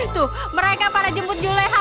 tuh mereka pada jemput juleha